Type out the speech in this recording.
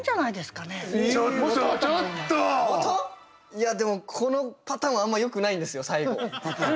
いやでもこのパターンはあんまよくないんですよ最後。